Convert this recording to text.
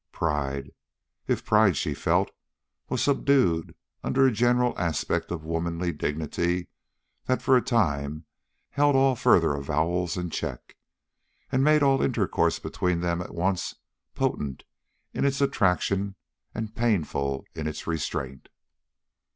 Pride, if pride she felt, was subdued under a general aspect of womanly dignity that for a time held all further avowals in check, and made all intercourse between them at once potent in its attraction and painful in its restraint.